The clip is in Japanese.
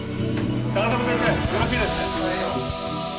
高砂先生よろしいですね？